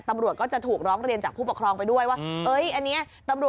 ต้องฝากผู้ปกครองไปด้วยนะ